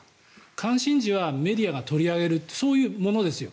関心事はメディアが取り上げるってそういうものですよ